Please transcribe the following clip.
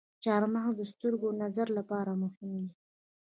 چارمغز د سترګو د نظر لپاره مهم دی.